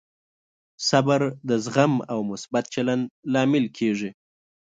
صبر د زغم او مثبت چلند لامل کېږي.